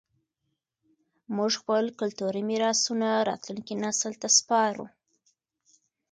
موږ خپل کلتوري میراثونه راتلونکي نسل ته سپارو.